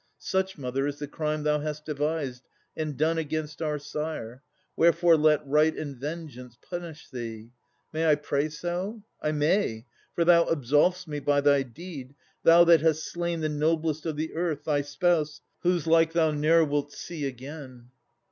Such, mother, is the crime thou hast devised And done against our sire, wherefore let Right And Vengeance punish thee! May I pray so? I may: for thou absolv'st me by thy deed, Thou that hast slain the noblest of the Earth, Thy spouse, whose like thou ne'er wilt see again.